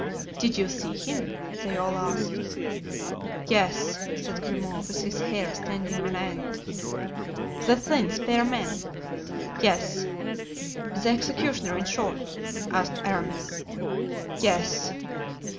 "Did you see him?" they all asked. "Yes," said Grimaud, with his hair standing on end. "The thin, spare man?" "Yes." "The executioner, in short?" asked Aramis. "Yes."